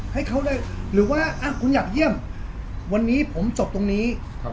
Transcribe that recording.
ให้เขาได้หรือว่าอุ้ยคุณอยากเที่ยมวันนี้ผมจบตรงนี้